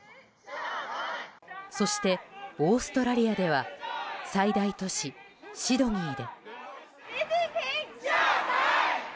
そしてオーストラリアでは最大都市シドニーで。